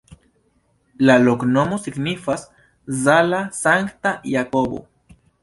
La loknomo signifas: Zala-sankta-Jakobo.